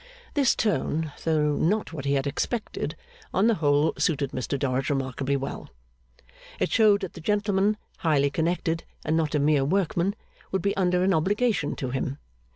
This tone, though not what he had expected, on the whole suited Mr Dorrit remarkably well. It showed that the gentleman, highly connected, and not a mere workman, would be under an obligation to him.